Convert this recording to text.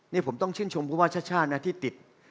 เนี่ยผมต้องชื่นชมเพราะว่าชาตินะที่ติด